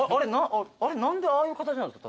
あれ何でああいう形なんですか？